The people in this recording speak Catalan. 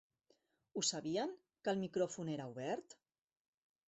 Ho sabien, que el micròfon era obert?